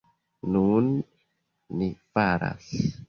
Nun, ni faras!